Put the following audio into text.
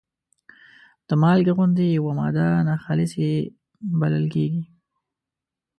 د مالګې غوندې یوه ماده ناخالصې بلل کیږي.